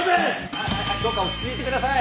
はいはいどうか落ち着いてください。